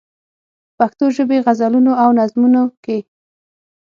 په پښتو ژبې غزلونو او نظمونو کې.